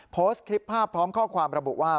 โพสต์คลิปภาพพร้อมข้อความระบุว่า